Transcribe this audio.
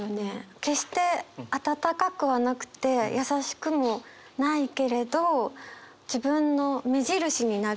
決して温かくはなくて優しくもないけれど自分の目印になる。